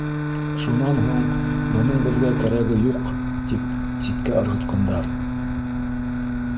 Шунан һуң, бының беҙгә кәрәге юҡ тип, ситкә ырғытҡандар.